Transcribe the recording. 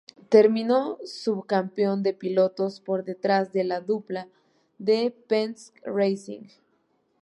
Terminó subcampeón de pilotos, por detrás de la dupla de Penske Racing.